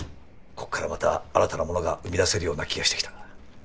こっからまた新たなものが生み出せるような気がしてきた。